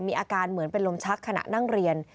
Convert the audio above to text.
มีอาการเหมือนเป็นลมชักขณะนั่งเรียน